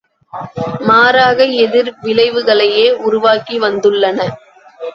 மாறாக எதிர் விளைவுகளையே உருவாக்கி வந்துள்ளன.